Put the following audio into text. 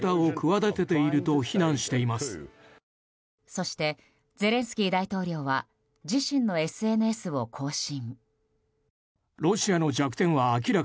そして、ゼレンスキー大統領は自身のＳＮＳを更新。